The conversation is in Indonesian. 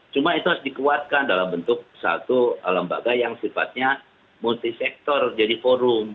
cuma itu harus dikuatkan dalam bentuk satu lembaga yang sifatnya multisektor jadi forum